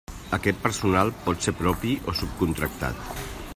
Aquest personal pot ser propi o subcontractat.